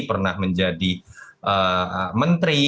pernah menjadi menteri